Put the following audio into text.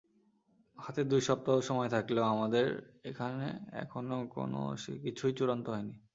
হাতে দুই সপ্তাহ সময় থাকলেও আমাদের এখানে এখনো কোনো কিছুই চূড়ান্ত হয়নি।